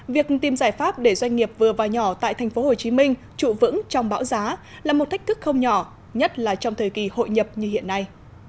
việc tìm giải pháp để doanh nghiệp vừa và nhỏ tại tp hcm trụ vững trong bão giá là một thách thức không nhỏ nhất là trong thời kỳ hội nhập như hiện nay